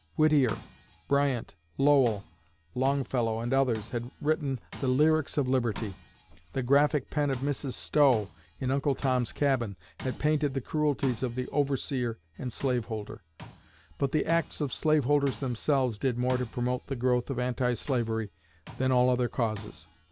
Whittier, Bryant, Lowell, Longfellow, and others, had written the lyrics of liberty; the graphic pen of Mrs. Stowe, in 'Uncle Tom's Cabin,' had painted the cruelties of the overseer and the slaveholder; but the acts of slaveholders themselves did more to promote the growth of anti slavery than all other causes.